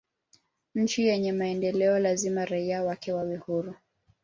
nchi yenye maendeleo lazima raia wake wawe huru